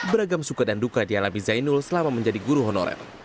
beragam suka dan duka dialami zainul selama menjadi guru honorer